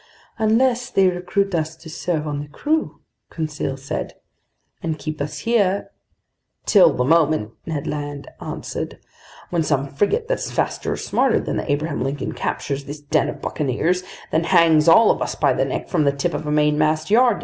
"Unless they recruit us to serve on the crew," Conseil said, "and keep us here—" "Till the moment," Ned Land answered, "when some frigate that's faster or smarter than the Abraham Lincoln captures this den of buccaneers, then hangs all of us by the neck from the tip of a mainmast yardarm!"